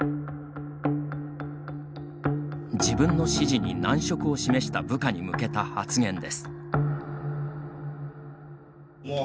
自分の指示に難色を示した部下に向けた発言です。